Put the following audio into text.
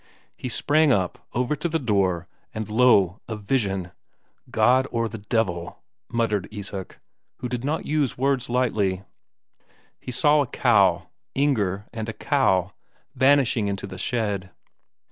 He sprang up, over to the door, and lo, a vision! "God or the devil," muttered Isak, who did not use words lightly. He saw a cow; Inger and a cow, vanishing into the shed.